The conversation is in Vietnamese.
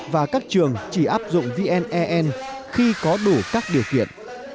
và các trường chỉ áp dụng vne khi có đủ các điều kiện